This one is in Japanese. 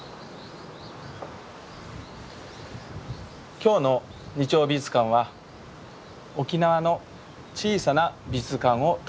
今日の「日曜美術館」は沖縄の小さな美術館を取り上げます。